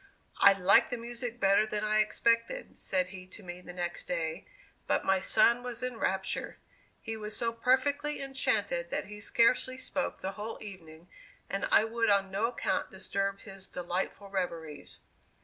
"I liked the music better than I expected," said he to me the next day, "but my son was in raptures. He was so perfectly enchanted that he scarcely spoke the whole evening and I would on no account disturb his delightful reveries.